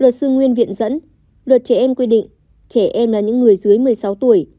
luật sư nguyên viện dẫn luật trẻ em quy định trẻ em là những người dưới một mươi sáu tuổi